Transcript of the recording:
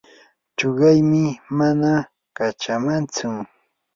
chuqaymi mana kachamantsu.